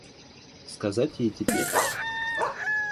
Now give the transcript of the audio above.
Сказать ей теперь?